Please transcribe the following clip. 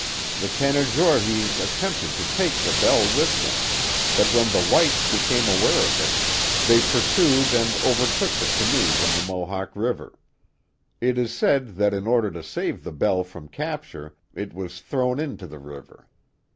The Canajorhees attempted to take the bell with them, but when the whites became aware of it they pursued and overtook the canoes on the Mohawk River. It is said that in order to save the bell from capture it was thrown into the river.